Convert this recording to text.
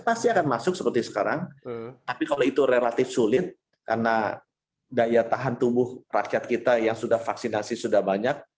pasti akan masuk seperti sekarang tapi kalau itu relatif sulit karena daya tahan tubuh rakyat kita yang sudah vaksinasi sudah banyak